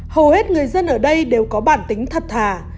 hầu hết người dân ở đây đều có bản tính thật thà